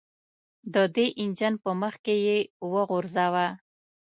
د دې انجمن په مخ کې یې وغورځوه.